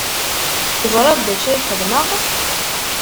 Teẓriḍ d acu i xedmeɣ?